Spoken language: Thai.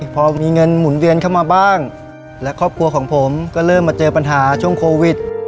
พอมีเงินหมุนเวียนเข้ามาบ้างและครอบครัวของผมก็เริ่มมาเจอปัญหาช่วงโควิด